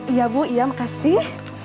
iya bu iya makasih